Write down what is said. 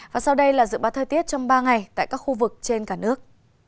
và sau đây là dự báo thời tiết trong ba ngày tại các khu vực trên cả nước